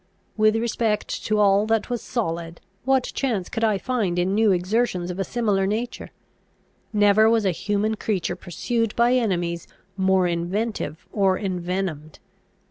With respect to all that was solid, what chance could I find in new exertions of a similar nature? Never was a human creature pursued by enemies more inventive or envenomed.